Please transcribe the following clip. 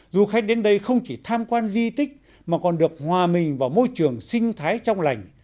du khách đến đây không chỉ tham quan di tích mà còn được hòa mình vào môi trường sinh thái trong lành